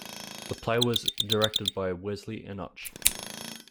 The play was directed by Wesley Enoch.